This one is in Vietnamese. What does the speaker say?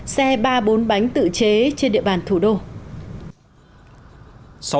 xe ba bốn bánh tự chế trên địa bàn thủ đô